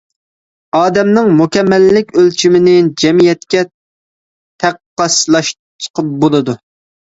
ئادەمنىڭ مۇكەممەللىك ئۆلچىمىنى جەمئىيەتكە تەققاسلاشقا بولىدۇ.